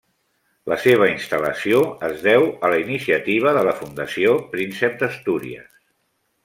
La seva instal·lació es deu a la iniciativa de la Fundació Príncep d'Astúries.